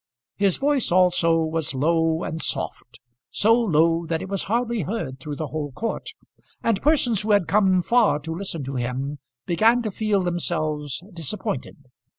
His voice also was low and soft; so low that it was hardly heard through the whole court, and persons who had come far to listen to him began to feel themselves disappointed.